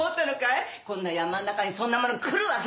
こんな山ん中にそんなもの来るわけないだろう。